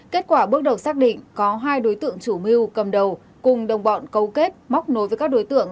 kết quả bước đầu xác định có hai đối tượng chủ mưu cầm đầu cùng đồng bọn câu kết móc nối với các đối tượng